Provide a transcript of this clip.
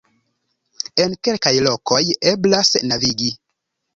En kelkaj lokoj eblas navigi.